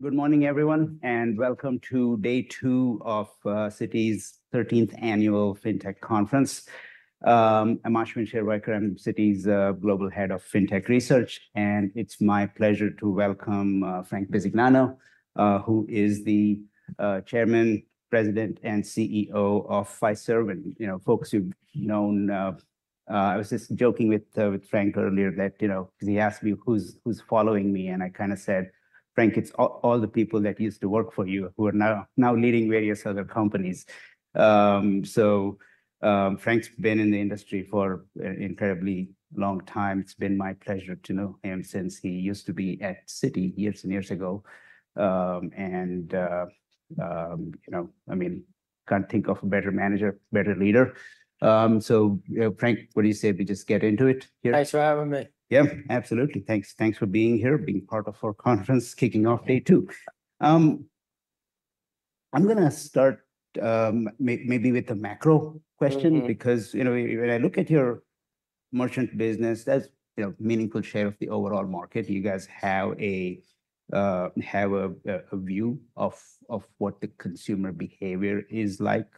Good morning, everyone, and welcome to day two of Citi's thirteenth annual FinTech conference. I'm Ashwin Shirvaikar. I'm Citi's Global Head of FinTech Research, and it's my pleasure to welcome Frank Bisignano, who is the Chairman, President, and CEO of Fiserv. You know, folks you've known I was just joking with with Frank earlier that, you know, 'cause he asked me who's, who's following me, and I kinda said, "Frank, it's all, all the people that used to work for you, who are now, now leading various other companies." So, Frank's been in the industry for an incredibly long time. It's been my pleasure to know him since he used to be at Citi years and years ago. You know, I mean, can't think of a better manager, better leader. So, Frank, what do you say we just get into it here? Thanks for having me. Yeah, absolutely. Thanks. Thanks for being here, being part of our conference, kicking off day two. I'm gonna start, maybe with a macro question- Mm-hmm... because, you know, when I look at your merchant business, that's, you know, meaningful share of the overall market. You guys have a view of what the consumer behavior is like.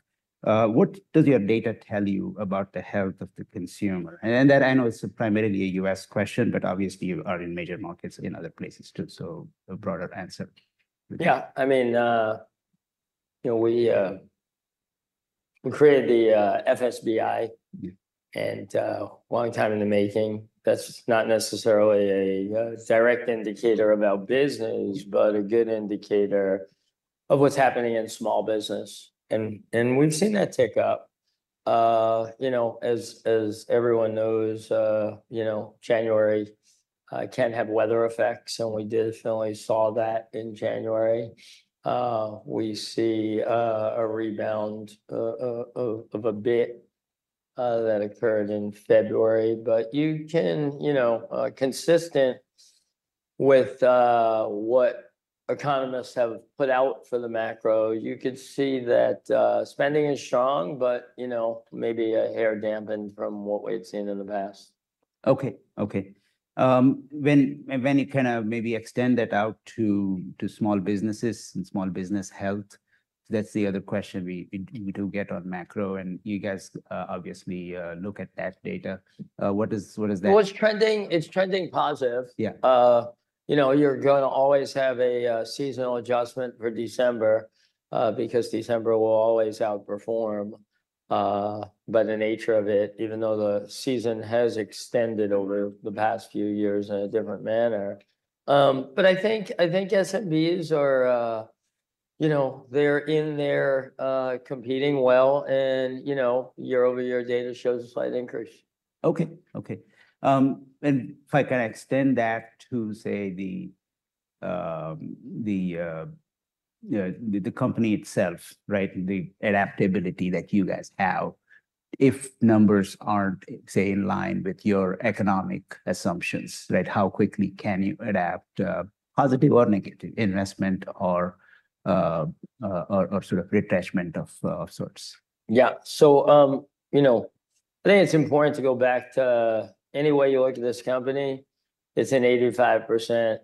What does your data tell you about the health of the consumer? And that I know is primarily a U.S. question, but obviously, you are in major markets in other places, too, so a broader answer. Yeah, I mean, you know, we created the FSBI- Mm... and, long time in the making. That's not necessarily a, direct indicator of our business, but a good indicator of what's happening in small business. And we've seen that tick up. You know, as everyone knows, you know, January can have weather effects, and we definitely saw that in January. We see a rebound of a bit that occurred in February. But you can, you know, consistent with what economists have put out for the macro, you could see that spending is strong, but, you know, maybe a hair dampened from what we've seen in the past. Okay, okay. When you kind of maybe extend that out to small businesses and small business health, that's the other question we do get on macro, and you guys obviously look at that data. What is that? Well, it's trending, it's trending positive. Yeah. You know, you're gonna always have a seasonal adjustment for December, because December will always outperform by the nature of it, even though the season has extended over the past few years in a different manner. But I think SMBs are, you know, they're in there competing well, and, you know, year-over-year data shows a slight increase. Okay, okay. And if I can extend that to, say, the company itself, right? The adaptability that you guys have. If numbers aren't, say, in line with your economic assumptions, right, how quickly can you adapt, positive or negative investment or sort of retrenchment of sorts? Yeah. So, you know, I think it's important to go back to any way you look at this company, it's an 85%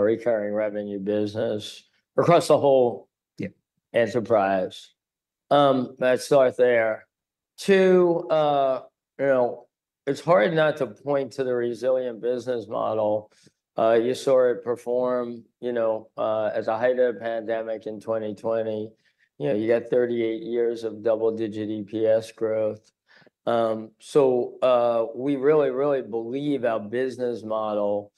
recurring revenue business across the whole- Yeah... enterprise. Let's start there. Two, you know, it's hard not to point to the resilient business model. You saw it perform, you know, at the height of the pandemic in 2020. You know, you got 38 years of double-digit EPS growth. So, we really, really believe our business model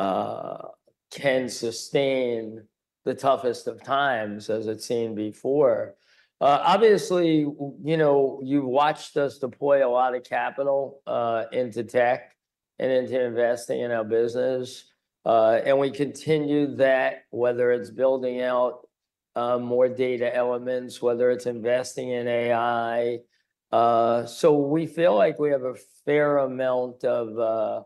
can sustain the toughest of times, as it's seen before. Obviously, you know, you've watched us deploy a lot of capital into tech and into investing in our business, and we continue that, whether it's building out more data elements, whether it's investing in AI. So we feel like we have a fair amount of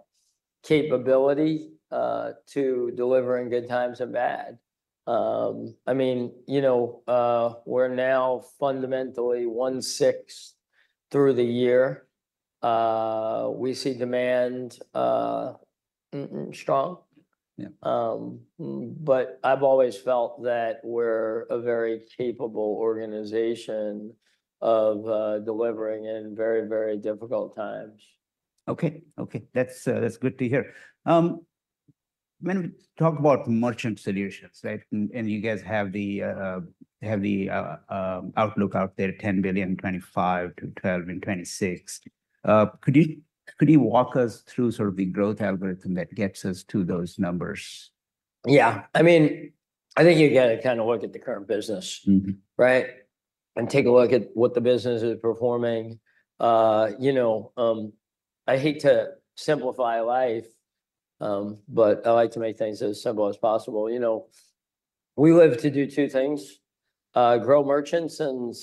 capability to deliver in good times and bad. I mean, you know, we're now fundamentally one-sixth through the year. We see demand strong. Yeah. But I've always felt that we're a very capable organization of delivering in very, very difficult times. Okay, okay. That's good to hear. When we talk about Merchant Solutions, right, and you guys have the outlook out there, $10 billion in 2025 to $12 billion in 2026, could you walk us through sort of the growth algorithm that gets us to those numbers? Yeah. I mean, I think you've gotta kind of look at the current business- Mm-hmm... right? Take a look at what the business is performing. You know, I hate to simplify life, but I like to make things as simple as possible. You know, we live to do two things: grow merchants and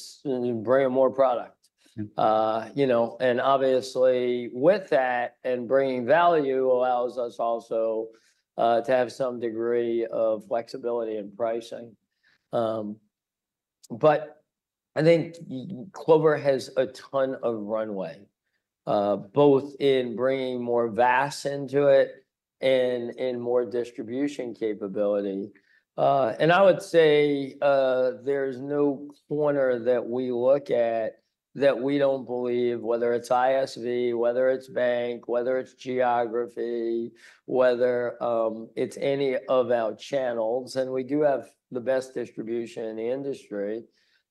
bring in more product. Mm. You know, and obviously, with that and bringing value allows us also to have some degree of flexibility in pricing. But I think Clover has a ton of runway, both in bringing more VAS into it and in more distribution capability. And I would say, there's no corner that we look at that we don't believe, whether it's ISV, whether it's bank, whether it's geography, whether it's any of our channels, and we do have the best distribution in the industry,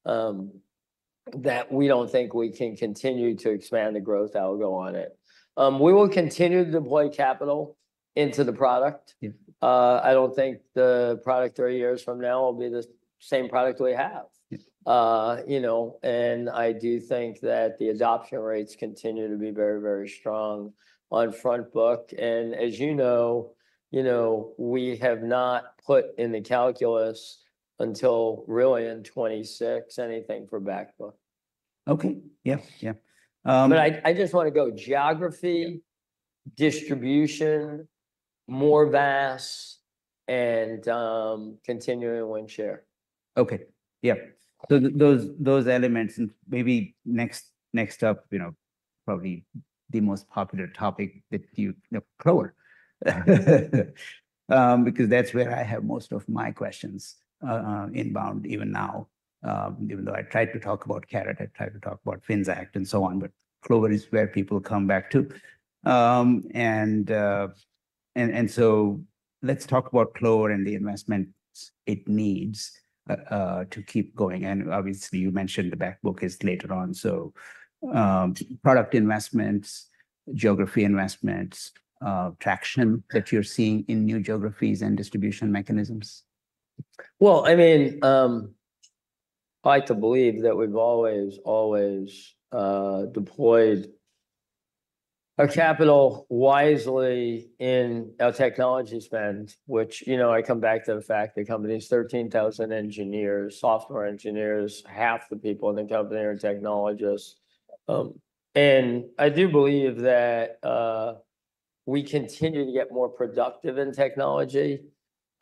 that we don't think we can continue to expand the growth algo on it. We will continue to deploy capital into the product. Yeah. I don't think the product three years from now will be the same product we have. Yeah. You know, and I do think that the adoption rates continue to be very, very strong on front book, and as you know, you know, we have not put in the calculus until really in 2026, anything for back book. Okay. Yeah, yeah. But I just wanna go geography- Yeah... distribution, more VAS, and continuing win share. Okay, yeah. So those, those elements, and maybe next up, you know, probably the most popular topic that you know, Clover. Because that's where I have most of my questions, inbound even now. Even though I tried to talk about Carat, I tried to talk about Finxact and so on, but Clover is where people come back to. And so let's talk about Clover and the investments it needs to keep going, and obviously you mentioned the back book is later on. So product investments, geography investments, traction that you're seeing in new geographies and distribution mechanisms. Well, I mean, I like to believe that we've always, always, deployed our capital wisely in our technology spend, which, you know, I come back to the fact the company's 13,000 engineers, software engineers, half the people in the company are technologists. And I do believe that we continue to get more productive in technology.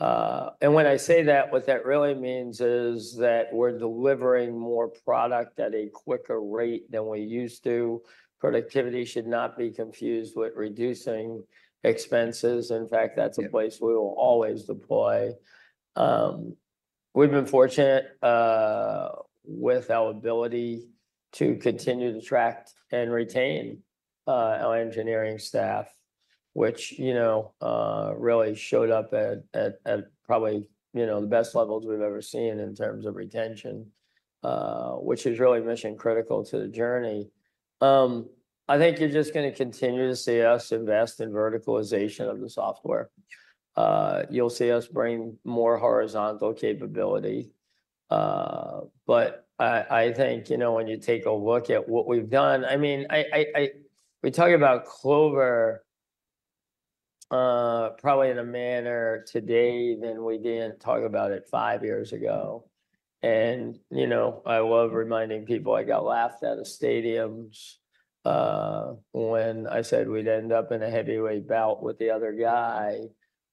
And when I say that, what that really means is that we're delivering more product at a quicker rate than we used to. Productivity should not be confused with reducing expenses. In fact, that's- Yeah... a place we will always deploy. We've been fortunate, with our ability to continue to attract and retain, our engineering staff, which, you know, really showed up at probably, you know, the best levels we've ever seen in terms of retention, which is really mission-critical to the journey. I think you're just gonna continue to see us invest in verticalization of the software. You'll see us bring more horizontal capability. But we talk about Clover, probably in a manner today than we didn't talk about it five years ago. And, you know, I love reminding people, I got laughed out of stadiums, when I said we'd end up in a heavyweight bout with the other guy.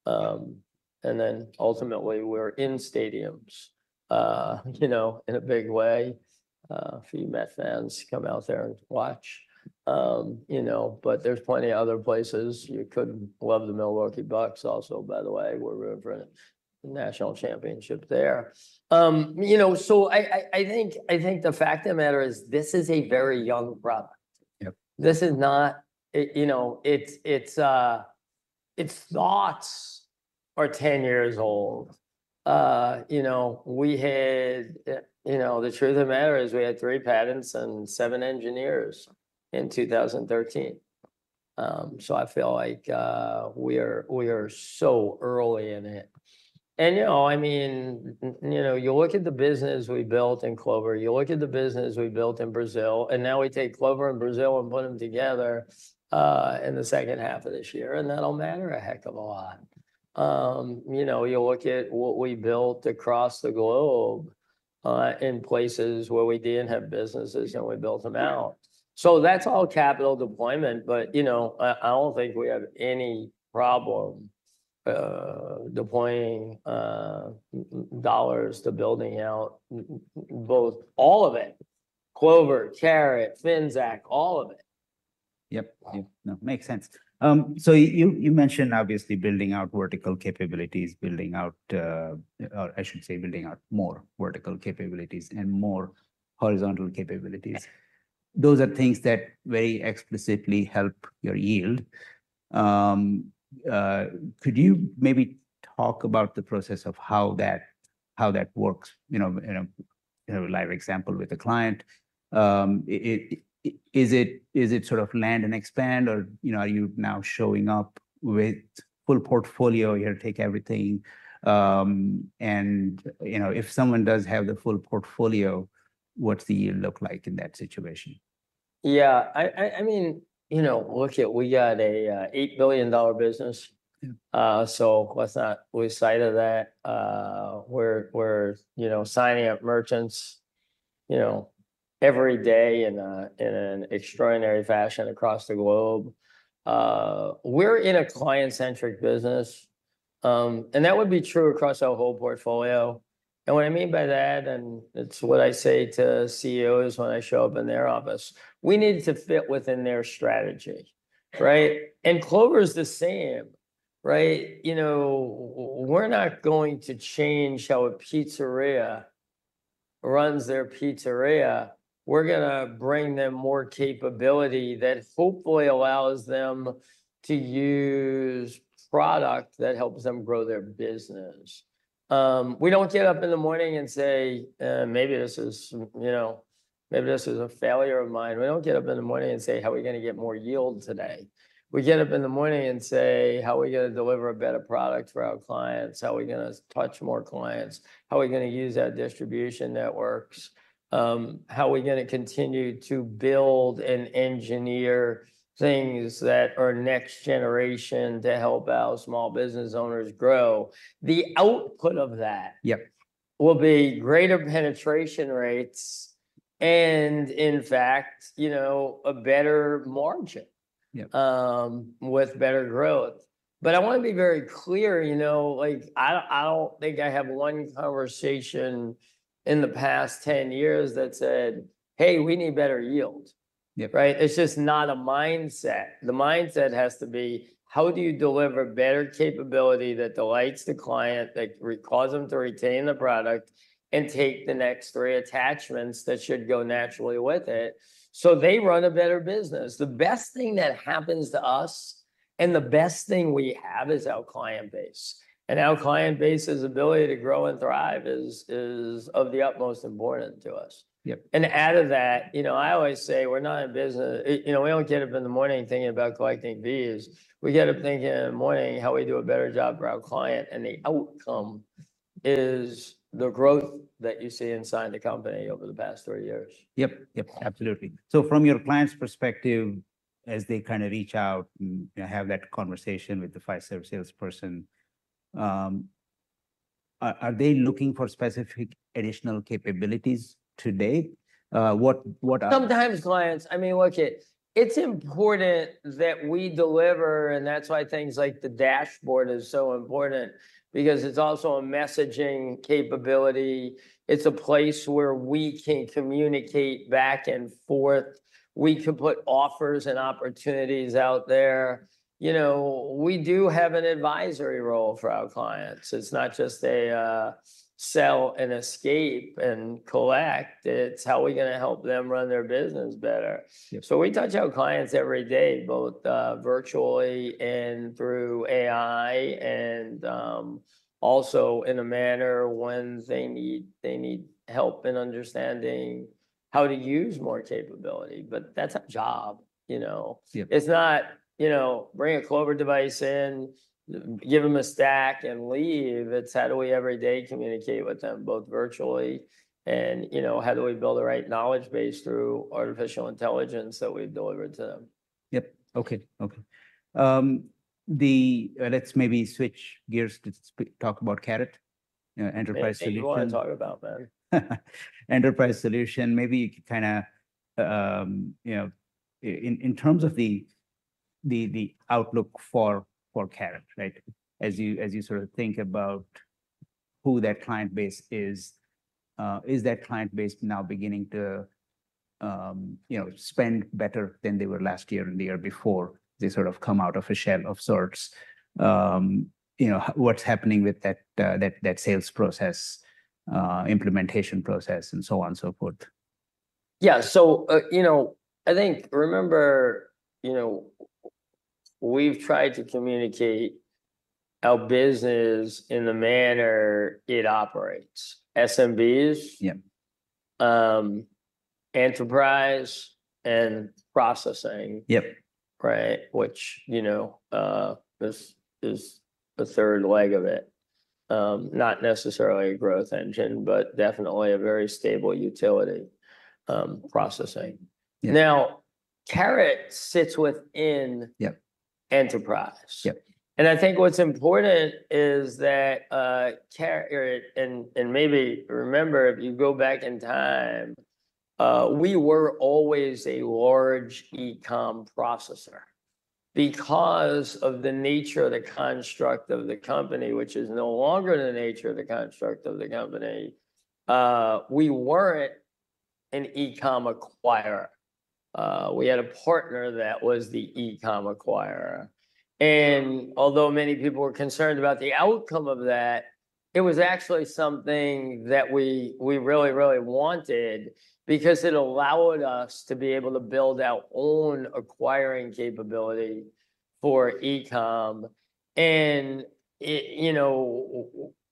And then ultimately, we're in stadiums, you know, in a big way. A few Met fans come out there and watch. You know, but there's plenty of other places. You could love the Milwaukee Bucks also, by the way, we're rooting for a national championship there. You know, so I think the fact of the matter is, this is a very young product. Yeah. This is not you know, it's its thoughts are 10 years old. You know, we had you know, the truth of the matter is, we had 3 patents and 7 engineers in 2013. So I feel like we are so early in it. And you know, I mean you know, you look at the business we built in Clover, you look at the business we built in Brazil, and now we take Clover and Brazil and put them together in the second half of this year, and that'll matter a heck of a lot. You know, you look at what we built across the globe in places where we didn't have businesses, and we built them out. Yeah. So that's all capital deployment, but, you know, I don't think we have any problem deploying dollars to building out both... all of it, Clover, Carat, Finxact, all of it. Yep. Wow. Yeah. No, makes sense. So you mentioned obviously building out vertical capabilities, building out, or I should say, building out more vertical capabilities and more horizontal capabilities. Those are things that very explicitly help your yield. Could you maybe talk about the process of how that works, you know, in a live example with a client? Is it sort of land and expand, or, you know, are you now showing up with full portfolio, here, take everything? And, you know, if someone does have the full portfolio, what's the yield look like in that situation? Yeah, I mean, you know, look at we got a $8 billion business. Yeah. So what's that? We're excited of that. We're, you know, signing up merchants, you know, every day in an extraordinary fashion across the globe. We're in a client-centric business, and that would be true across our whole portfolio. And what I mean by that, and it's what I say to CEOs when I show up in their office, we need to fit within their strategy, right? And Clover's the same, right? You know, we're not going to change how a pizzeria runs their pizzeria. We're gonna bring them more capability that hopefully allows them to use product that helps them grow their business. We don't get up in the morning and say, "maybe this is, you know, maybe this is a failure of mine." We don't get up in the morning and say, "How are we gonna get more yield today?" We get up in the morning and say, "How are we gonna deliver a better product for our clients? How are we gonna touch more clients? How are we gonna use our distribution networks? How are we gonna continue to build and engineer things that are next generation to help our small business owners grow?" The output of that- Yep... will be greater penetration rates, and in fact, you know, a better margin- Yep... with better growth. But I wanna be very clear, you know, like, I don't, I don't think I have one conversation in the past 10 years that said, "Hey, we need better yield. Yep. Right? It's just not a mindset. The mindset has to be: how do you deliver better capability that delights the client, that causes them to retain the product and take the next three attachments that should go naturally with it so they run a better business? The best thing that happens to us, and the best thing we have, is our client base, and our client base's ability to grow and thrive is of the utmost importance to us. Yep. Out of that, you know, I always say, we're not in business... you know, we don't get up in the morning thinking about collecting fees. We get up thinking in the morning, how we do a better job for our client, and the outcome is the growth that you see inside the company over the past three years. Yep, yep, absolutely. So from your clients' perspective, as they kind of reach out and, you know, have that conversation with the Fiserv salesperson, are they looking for specific additional capabilities today? What are- Sometimes clients... I mean, look, it, it's important that we deliver, and that's why things like the dashboard is so important, because it's also a messaging capability. It's a place where we can communicate back and forth. We can put offers and opportunities out there. You know, we do have an advisory role for our clients. It's not just a sell and escape and collect. It's how are we gonna help them run their business better. Yep. So we touch our clients every day, both virtually and through AI, and also in a manner when they need help in understanding how to use more capability, but that's our job, you know? Yep. It's not, you know, bring a Clover device in, give them a stack, and leave. It's how do we every day communicate with them, both virtually, and, you know, how do we build the right knowledge base through artificial intelligence that we've delivered to them? Yep. Okay, okay. Let's maybe switch gears to talk about Carat, enterprise solution. You wanna talk about that? Enterprise Solution, maybe you could kinda, you know, in terms of the outlook for Carat, right? As you sort of think about who that client base is, is that client base now beginning to, you know, spend better than they were last year and the year before, they sort of come out of a shell of sorts? You know, what's happening with that sales process, implementation process, and so on and so forth? Yeah, so, you know, I think, remember, you know, we've tried to communicate our business in the manner it operates. SMBs- Yeah... enterprise and processing. Yep. Right, which, you know, is the third leg of it. Not necessarily a growth engine, but definitely a very stable utility, processing. Yeah. Now, Carat sits within- Yeah... enterprise. Yep. I think what's important is that, Carat, and maybe remember, if you go back in time, we were always a large e-com processor. Because of the nature of the construct of the company, which is no longer the nature of the construct of the company, we weren't an e-com acquirer. We had a partner that was the e-com acquirer, and although many people were concerned about the outcome of that, it was actually something that we, we really, really wanted because it allowed us to be able to build our own acquiring capability for e-com. And it, you know,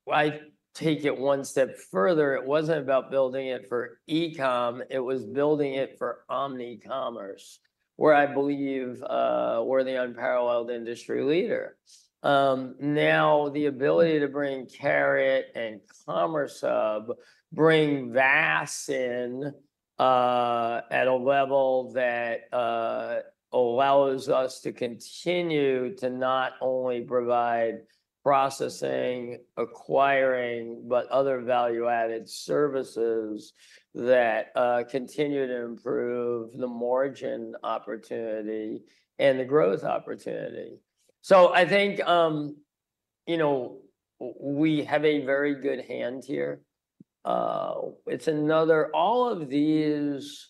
I'd take it one step further. It wasn't about building it for e-com, it was building it for omni-commerce, where I believe, we're the unparalleled industry leader. Now, the ability to bring Carat and Commerce Hub, bring VAS in, at a level that allows us to continue to not only provide processing, acquiring, but other value-added services that continue to improve the margin opportunity and the growth opportunity. So I think, you know, we have a very good hand here. It's another, all of these,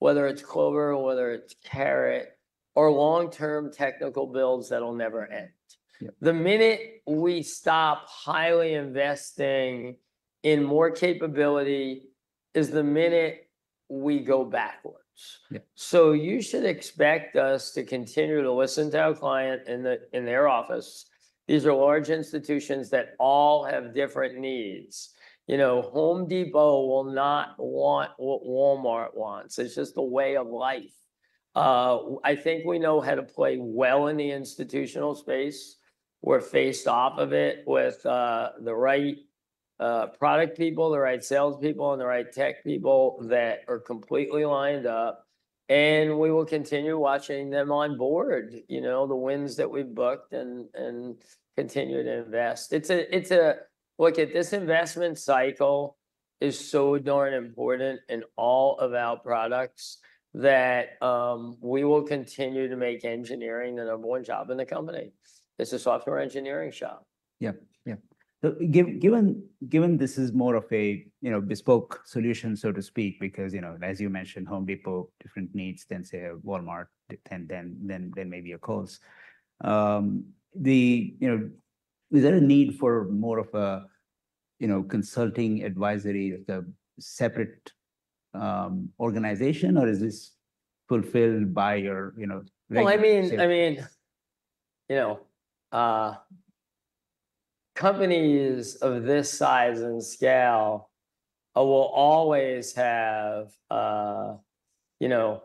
whether it's Clover or whether it's Carat, are long-term technical builds that'll never end. Yeah. The minute we stop highly investing in more capability is the minute we go backwards. Yeah. So you should expect us to continue to listen to our client in their office. These are large institutions that all have different needs. You know, Home Depot will not want what Walmart wants. It's just a way of life. I think we know how to play well in the institutional space. We're faced off of it with the right product people, the right salespeople, and the right tech people that are completely lined up, and we will continue watching them onboard, you know, the wins that we've booked and continue to invest. It's a. Look, this investment cycle is so darn important in all of our products that we will continue to make engineering the number one job in the company. It's a software engineering shop. Yeah. Yeah. So given this is more of a, you know, bespoke solution, so to speak, because, you know, as you mentioned, Home Depot, different needs than, say, a Walmart, than maybe a Kohl's. You know, is there a need for more of a, you know, consulting advisory, like a separate organization, or is this fulfilled by your, you know, regular sales? Well, I mean, you know, companies of this size and scale will always have, you know,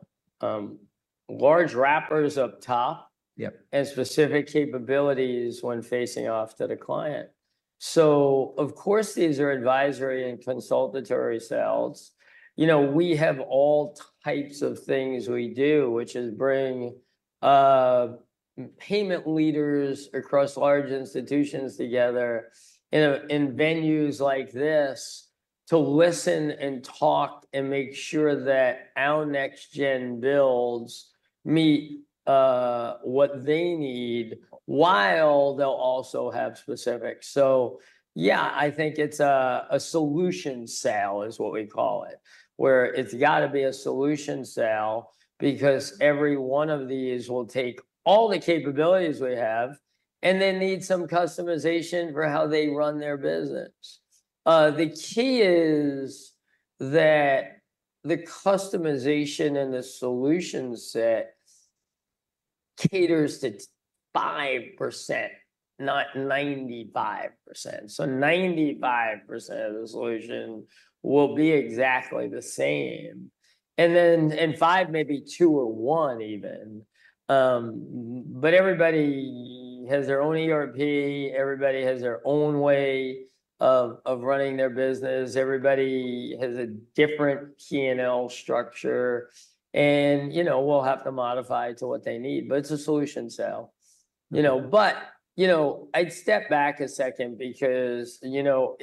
large wrappers up top- Yep... and specific capabilities when facing off to the client. So of course, these are advisory and consultatory sales. You know, we have all types of things we do, which is bring payment leaders across large institutions together, you know, in venues like this to listen and talk and make sure that our next gen builds meet what they need, while they'll also have specifics. So yeah, I think it's a solution sale, is what we call it, where it's gotta be a solution sale because every one of these will take all the capabilities we have, and they need some customization for how they run their business. The key is that the customization and the solution set caters to 5%, not 95%. So 95% of the solution will be exactly the same, and then, and five, maybe two or one even. But everybody has their own ERP, everybody has their own way of running their business, everybody has a different P&L structure, and, you know, we'll have to modify it to what they need, but it's a solution sale. Yeah. You know, but, you know, I'd step back a second because, you know,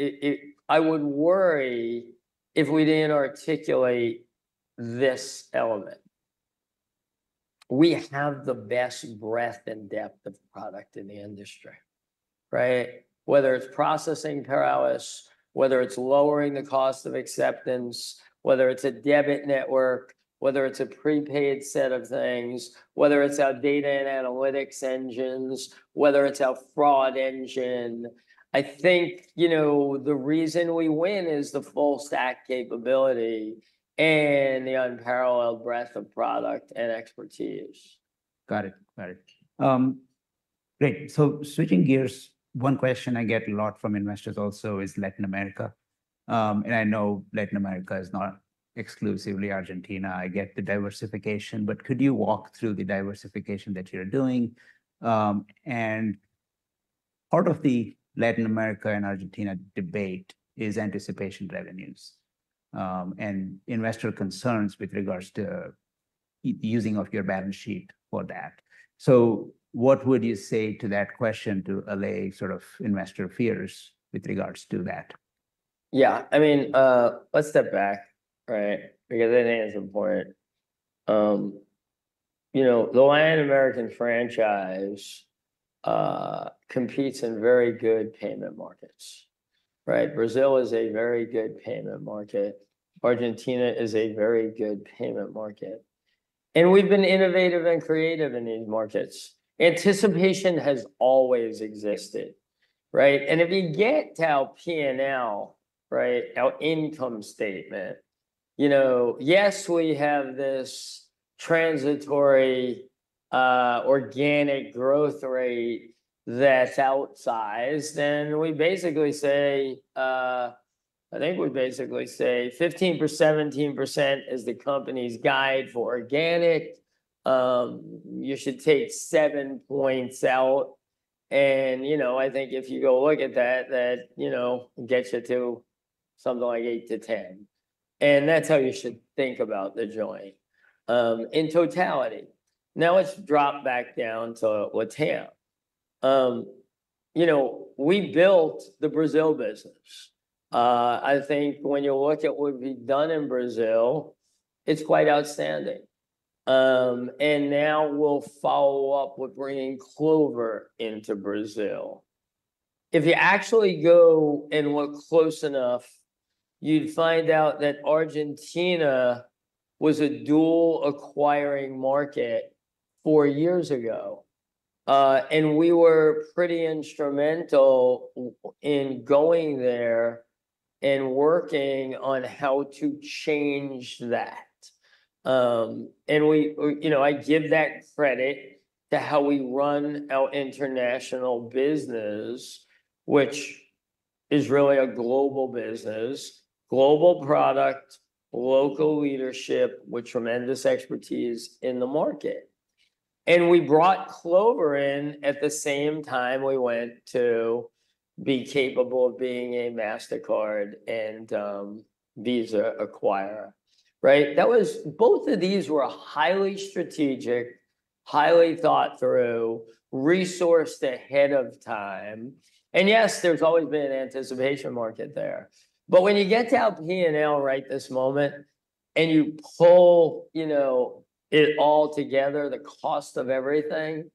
I would worry if we didn't articulate this element. We have the best breadth and depth of product in the industry, right? Whether it's processing platforms, whether it's lowering the cost of acceptance, whether it's a debit network, whether it's a prepaid set of things, whether it's our data and analytics engines, whether it's our fraud engine, I think, you know, the reason we win is the full stack capability and the unparalleled breadth of product and expertise. Got it. Got it. Great. So switching gears, one question I get a lot from investors also is Latin America. I know Latin America is not exclusively Argentina. I get the diversification, but could you walk through the diversification that you're doing? Part of the Latin America and Argentina debate is anticipation revenues, and investor concerns with regards to using of your balance sheet for that. So what would you say to that question to allay sort of investor fears with regards to that? Yeah. I mean, let's step back, right? Because I think it's important. You know, the Latin American franchise competes in very good payment markets, right? Brazil is a very good payment market. Argentina is a very good payment market, and we've been innovative and creative in these markets. Anticipation has always existed, right? And if you get to our P&L, right, our income statement, you know, yes, we have this transitory organic growth rate that's outsized, and we basically say... I think we basically say 15%, 17% is the company's guide for organic. You should take 7 points out, and, you know, I think if you go look at that, that gets you to something like 8-10, and that's how you should think about the joint in totality. Now, let's drop back down to LatAm. You know, we built the Brazil business. I think when you look at what we've done in Brazil, it's quite outstanding. And now we'll follow up with bringing Clover into Brazil. If you actually go and look close enough, you'd find out that Argentina was a dual acquiring market four years ago. And we were pretty instrumental in going there and working on how to change that. And we, you know, I give that credit to how we run our international business, which is really a global business. Global product, local leadership with tremendous expertise in the market. And we brought Clover in at the same time we went to be capable of being a Mastercard and Visa acquirer, right? Both of these were highly strategic, highly thought through, resourced ahead of time, and yes, there's always been an anticipation market there. But when you get to LatAm right this moment, and you pull, you know, it all together, the cost of everything,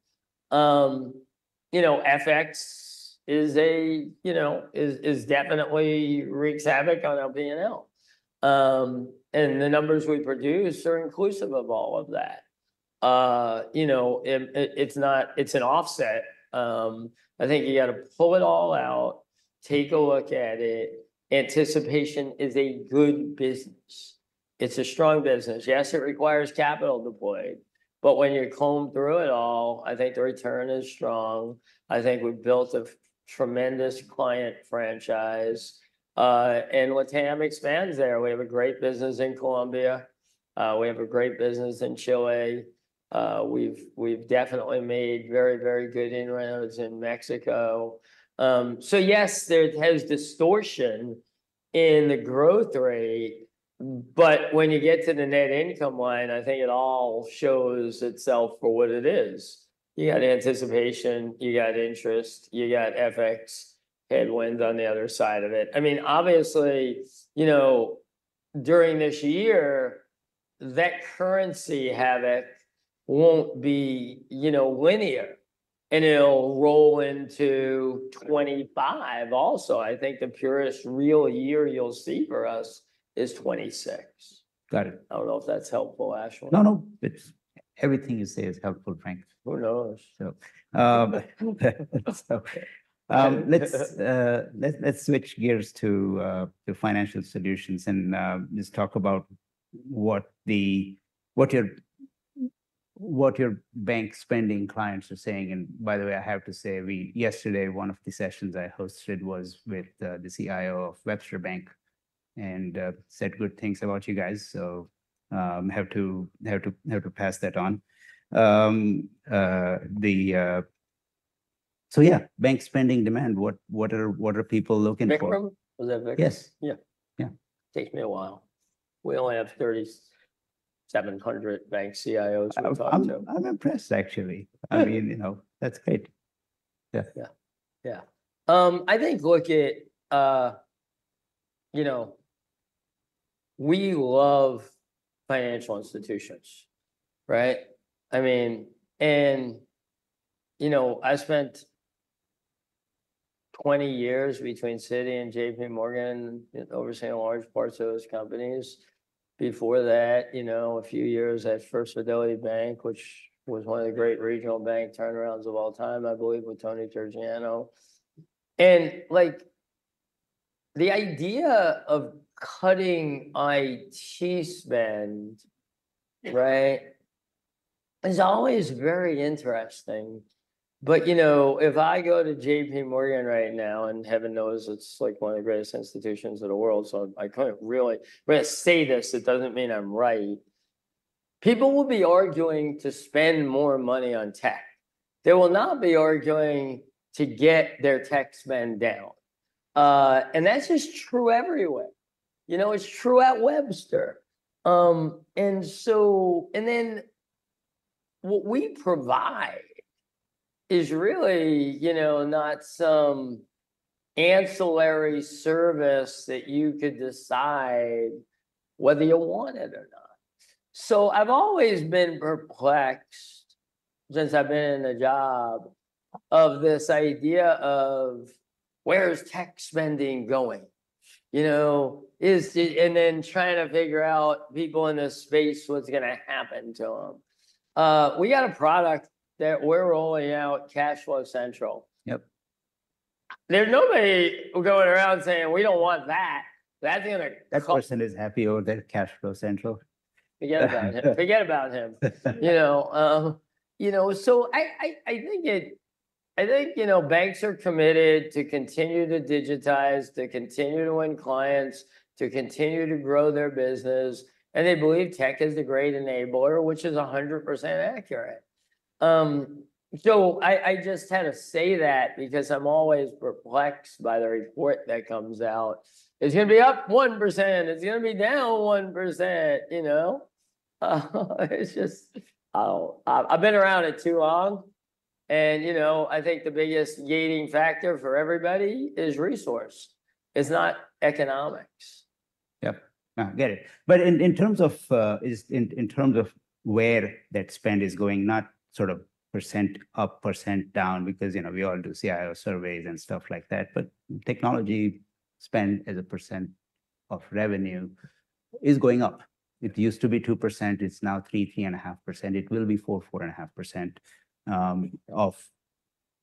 you know, FX is, you know, definitely wreaks havoc on LatAm. And the numbers we produce are inclusive of all of that. You know, and it, it's not... It's an offset. I think you got to pull it all out, take a look at it. Anticipation is a good business. It's a strong business. Yes, it requires capital deployed, but when you comb through it all, I think the return is strong. I think we've built a tremendous client franchise, and LatAm expands there. We have a great business in Colombia. We have a great business in Chile. We've definitely made very, very good inroads in Mexico. So yes, there has distortion in the growth rate, but when you get to the net income line, I think it all shows itself for what it is. You got anticipation, you got interest, you got FX headwinds on the other side of it. I mean, obviously, you know, during this year, that currency havoc won't be, you know, linear, and it'll roll into 2025 also. I think the purest real year you'll see for us is 2026. Got it. I don't know if that's helpful, Ashwin. No, no, it's everything you say is helpful, Frank. Who knows? So, let's switch gears to financial solutions and just talk about what your bank spending clients are saying. And by the way, I have to say, yesterday, one of the sessions I hosted was with the CIO of Webster Bank and said good things about you guys. So, have to pass that on. So yeah, bank spending demand, what are people looking for? Bank problem? Was that banks? Yes. Yeah. Yeah. Takes me a while. We only have 3,700 bank CIOs we're talking to. I'm impressed, actually. I mean, you know, that's great. Yeah. Yeah. Yeah. I think look at, you know, we love financial institutions, right? I mean, and, you know, I spent 20 years between Citi and JP Morgan, overseeing large parts of those companies. Before that, you know, a few years at First Fidelity Bank, which was one of the great regional bank turnarounds of all time, I believe, with Tony Terracciano. And, like, the idea of cutting IT spend, right, is always very interesting. But, you know, if I go to JP Morgan right now, and heaven knows, it's like one of the greatest institutions in the world, so I couldn't really. When I say this, it doesn't mean I'm right. People will be arguing to spend more money on tech. They will not be arguing to get their tech spend down. And that's just true everywhere. You know, it's true at Webster. What we provide is really, you know, not some ancillary service that you could decide whether you want it or not. So I've always been perplexed, since I've been in the job, of this idea of: Where is tech spending going? You know, is it... And then trying to figure out people in this space, what's gonna happen to them. We got a product that we're rolling out, CashFlow Central. Yep. There's nobody going around saying, "We don't want that." That's the other call- That person is happy over their CashFlow Central. Forget about him. Forget about him. You know, you know, so I think, you know, banks are committed to continue to digitize, to continue to win clients, to continue to grow their business, and they believe tech is the great enabler, which is 100% accurate. So I just had to say that because I'm always perplexed by the report that comes out. It's gonna be up 1%, it's gonna be down 1%, you know? It's just, oh, I've been around it too long, and, you know, I think the biggest gating factor for everybody is resource. It's not economics. Yep. I get it. But in terms of where that spend is going, not sort of percent up, percent down, because, you know, we all do CIO surveys and stuff like that, but technology spend as a percent of revenue is going up. It used to be 2%, it's now 3%-3.5%. It will be 4%-4.5% of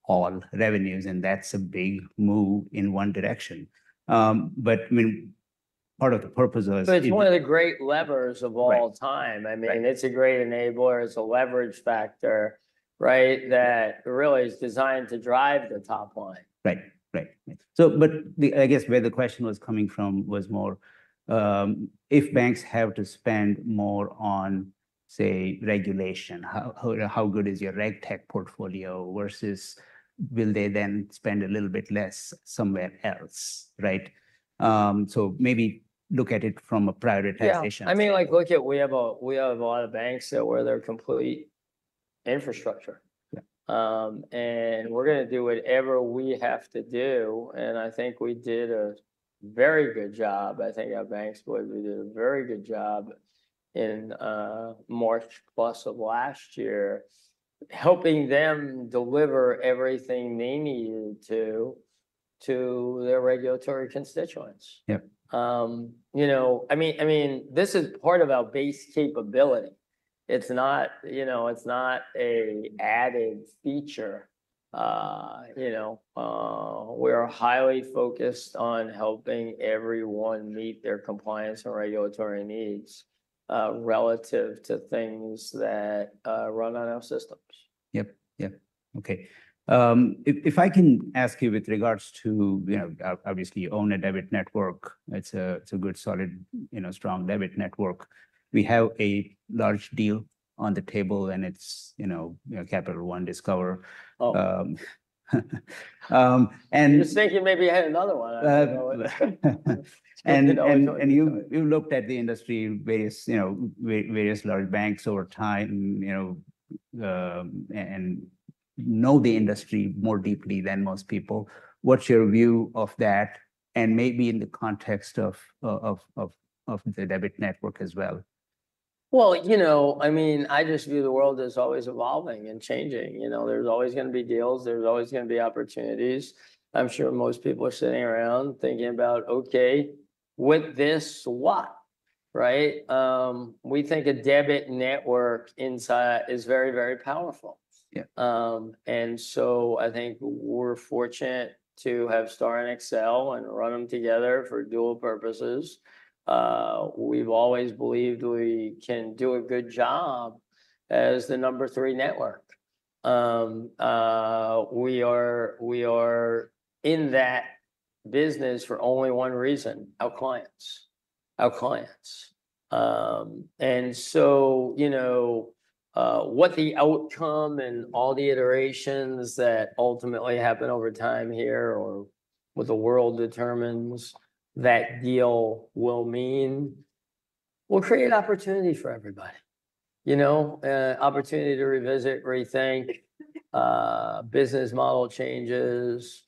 all revenues, and that's a big move in one direction. But I mean, part of the purpose of this- But it's one of the great levers of all time. Right. I mean, it's a great enabler. It's a leverage factor, right? That really is designed to drive the top line. Right. Right. So but the... I guess where the question was coming from was more, if banks have to spend more on, say, regulation, how, how, how good is your RegTech portfolio versus will they then spend a little bit less somewhere else, right? So maybe look at it from a prioritization- Yeah, I mean, like, look at, we have a lot of banks that, where they're completely infrastructure. Yeah. We're gonna do whatever we have to do, and I think we did a very good job. I think at Bank of America, we did a very good job in March plus of last year, helping them deliver everything they needed to their regulatory constituents. Yep. You know, I mean, this is part of our base capability. It's not, you know, it's not an added feature. You know, we're highly focused on helping everyone meet their compliance and regulatory needs, relative to things that run on our systems. Yep. Yep. Okay. If I can ask you with regards to, you know, obviously, you own a debit network. It's a good, solid, you know, strong debit network. We have a large deal on the table, and it's, you know, you know, Capital One, Discover. Oh. Um, um, and- I was thinking maybe you had another one. You looked at the industry, various large banks over time, you know, and know the industry more deeply than most people. What's your view of that, and maybe in the context of the debit network as well? Well, you know, I mean, I just view the world as always evolving and changing. You know, there's always gonna be deals, there's always gonna be opportunities. I'm sure most people are sitting around thinking about, "Okay, with this, what?" Right? We think a debit network insight is very, very powerful. Yeah. So I think we're fortunate to have STAR and Accel and run them together for dual purposes. We've always believed we can do a good job as the number 3 network. We are, we are in that business for only one reason: our clients. Our clients. So, you know, what the outcome and all the iterations that ultimately happen over time here or what the world determines that deal will mean, will create opportunity for everybody. You know, opportunity to revisit, rethink, business model changes.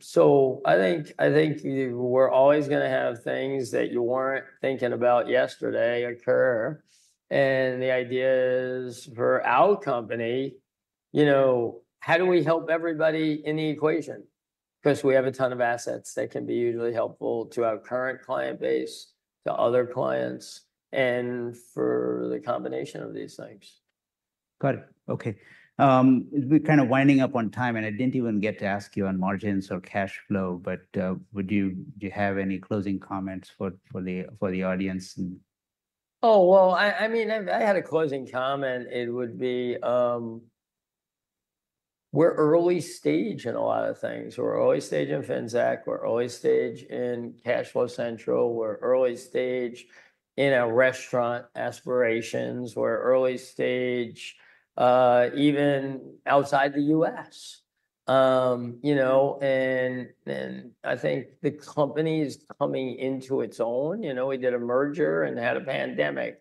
So I think, I think we're always gonna have things that you weren't thinking about yesterday occur, and the idea is, for our company, you know, how do we help everybody in the equation? 'Cause we have a ton of assets that can be usually helpful to our current client base, to other clients, and for the combination of these things. Got it. Okay. We're kind of winding up on time, and I didn't even get to ask you on margins or cash flow, but do you have any closing comments for the audience? Oh, well, I mean, if I had a closing comment, it would be, we're early stage in a lot of things. We're early stage in Finxact, we're early stage in CashFlow Central, we're early stage in our restaurant aspirations, we're early stage, even outside the U.S. You know, and, and I think the company's coming into its own. You know, we did a merger and had a pandemic.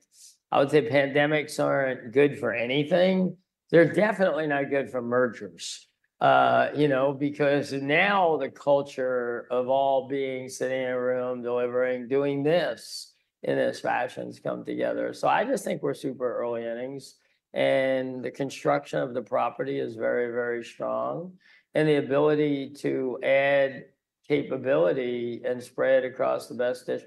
I would say pandemics aren't good for anything. They're definitely not good for mergers. You know, because now the culture of all being sitting in a room, delivering, doing this, in these fashions come together. So I just think we're super early innings, and the construction of the property is very, very strong, and the ability to add capability and spread across the best dish-